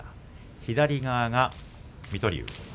左側が水戸龍。